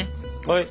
はい。